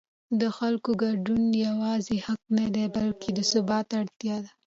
د خلکو ګډون یوازې حق نه دی بلکې د ثبات اړتیا ده